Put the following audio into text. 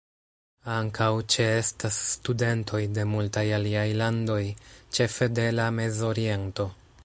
Ankaŭ ĉe-estas studentoj de multaj aliaj landoj, ĉefe de la Mez-Oriento.